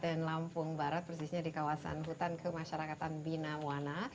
kabupaten lampung barat persisnya di kawasan hutan kemasyarakatan binawana